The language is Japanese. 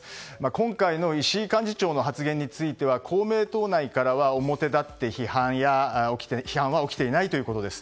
今回の石井幹事長の発言については公明党内からは、表立って批判は起きていないということです。